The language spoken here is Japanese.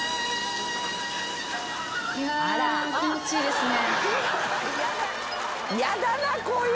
気持ちいいですね。